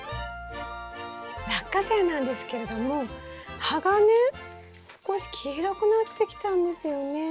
ラッカセイなんですけれども葉がね少し黄色くなってきたんですよね。